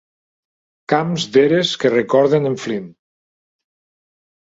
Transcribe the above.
Camps d'eres que recorden en Flynn.